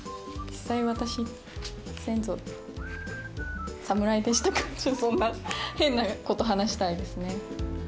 実際、私、先祖、侍でしたか？とか、そんな変なこと話したいですね。